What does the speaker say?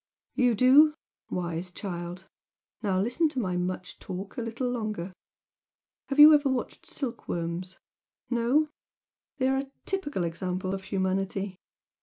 "You do? Wise child! Now listen to my much talk a little longer! Have you ever watched silkworms? No? They are typical examples of humanity.